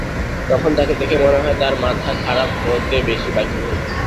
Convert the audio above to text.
তখন তাঁকে দেখে মনে হয়, তাঁর মাথা-খারাপ হতে বেশি বাকি নেই!